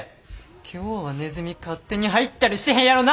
今日はネズミ勝手に入ったりしてへんやろな！